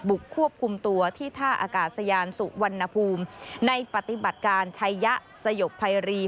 ควบคุมตัวที่ท่าอากาศยานสุวรรณภูมิในปฏิบัติการชัยยะสยบภัยรี